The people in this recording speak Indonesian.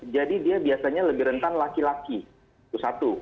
jadi dia biasanya lebih rentan laki laki itu satu